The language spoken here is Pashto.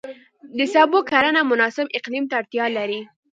د سبو کرنه مناسب اقلیم ته اړتیا لري.